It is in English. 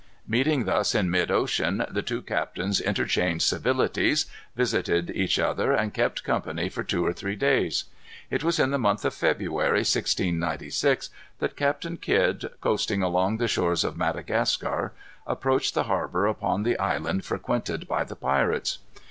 Meeting thus in mid ocean, the two captains interchanged civilities, visited each other, and kept company for two or three days. It was in the month of February, 1666, that Captain Kidd, coasting along the shores of Madagascar, approached the harbor upon the island frequented by the pirates.